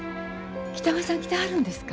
北川さん来てはるんですか？